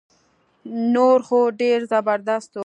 نور خو ډير زبردست وو